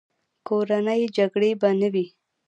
کورنۍ جګړې به نه وې.